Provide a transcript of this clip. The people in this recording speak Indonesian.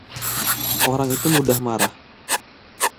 Orang itu mudah marah.